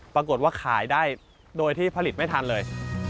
ปรากฏว่าขายได้โดยที่ผลิตไม่ทันเลย